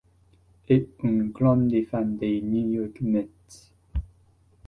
È un grande fan dei New York Mets.